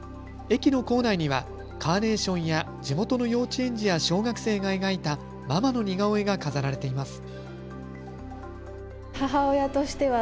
駅の構内にはカーネーションや地元の幼稚園児や小学生が描いたママの似顔絵が飾られています。